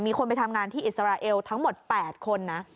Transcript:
มีคนไปทำงานที่อิสราเอลทั้งหมด๘คนนะ